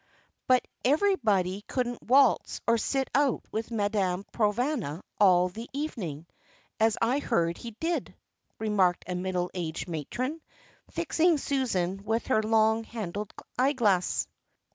"But everybody couldn't waltz or sit out with Madame Provana all the evening, as I heard he did," remarked a middle aged matron, fixing Susan with her long handled eyeglass.